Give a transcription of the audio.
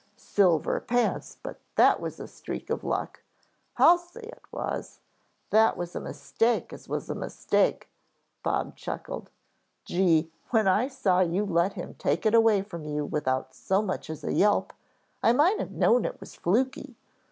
Silver pants, but that was a streak of luck " "I'll say it was. That was a mistake as was a mistake," Bob chuckled. "Gee, when I saw you let him take it away from you without so much as a yelp I might have known it was flukey.